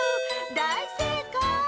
だいせいかい！